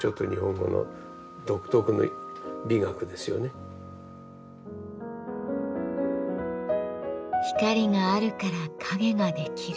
そういう日本語の中に光があるから影ができる。